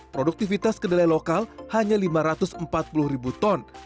produktivitas kedelai lokal hanya lima ratus empat puluh ribu ton